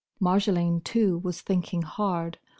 Marjolaine, too, was thinking hard.